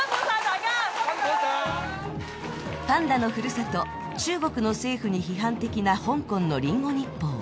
パンダの故郷・中国の政府に批判的な香港の「リンゴ日報」。